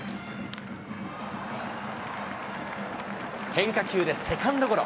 変化球でセカンドゴロ。